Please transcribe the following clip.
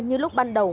như lúc ban đầu